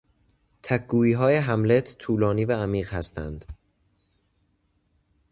تک گوییهای هملت طولانی و عمیق هستند.